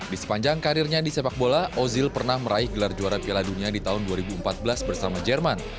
di sepanjang karirnya di sepak bola ozil pernah meraih gelar juara piala dunia di tahun dua ribu empat belas bersama jerman